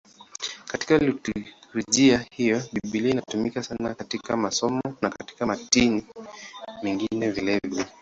Katika liturujia hiyo Biblia inatumika sana katika masomo na katika matini mengine vilevile.